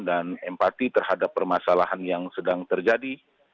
dan empati terhadap permasalahan yang sedang terjadi